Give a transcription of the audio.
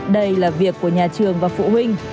đây là việc của nhà trường và phụ huynh